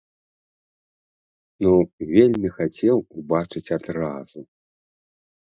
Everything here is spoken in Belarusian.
Ну вельмі хацеў убачыць адразу!